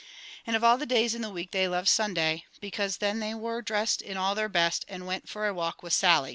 And of all the days in the week they loved Sunday, because then they were dressed in all their best, and went for a walk with SALLY.